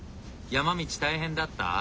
山道大変だった？